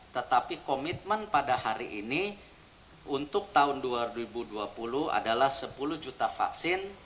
tetapi komitmen pada hari ini untuk tahun dua ribu dua puluh adalah sepuluh juta vaksin